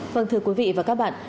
vâng thưa quý vị và các bạn